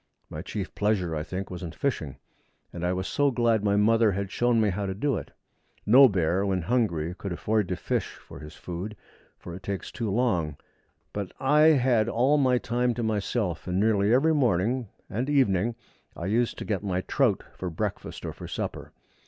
My chief pleasure, I think, was in fishing, and I was glad my mother had shown me how to do it. No bear, when hungry, could afford to fish for his food, for it takes too long; but I had all my time to myself, and nearly every morning and evening I used to get my trout for breakfast or for supper.